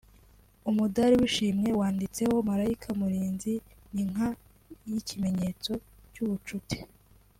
umudari w’ishimwe wanditseho Malayika Murinzi n’inka y’ikimenyetso cy’ubucuti